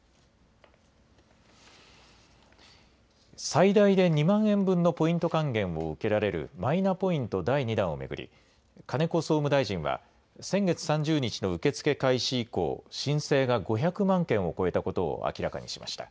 最大で２万円分のポイント還元を受けられる、マイナポイント第２弾を巡り、金子総務大臣は、先月３０日の受け付け開始以降、申請が５００万件を超えたことを明らかにしました。